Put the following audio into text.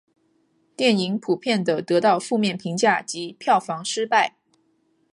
电影普遍地得到负面评价及票房失败。